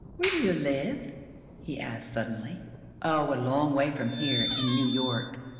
"Where do you live?" he asked, suddenly. "Oh, a long way from here! In New York."